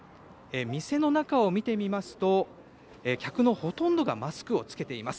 店の中を見てみますと、客のほとんどがマスクを着けています。